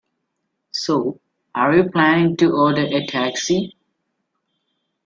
So, are you planning to order a taxi?